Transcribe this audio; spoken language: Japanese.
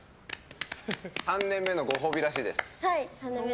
３年目のご褒美らしいです。